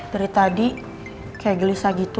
dari tadi kayak gelisah gitu